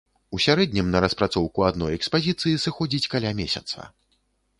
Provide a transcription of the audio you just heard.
У сярэднім на распрацоўку адной экспазіцыі сыходзіць каля месяца.